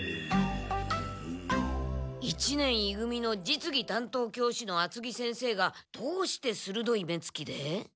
一年い組の実技担当教師の厚着先生がどうしてするどい目つきで？